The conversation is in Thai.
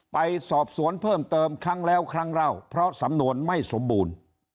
ไปสอบสวนเพิ่มเติมครั้งแล้วครั้งเล่าเพราะสำนวนไม่สมบูรณ์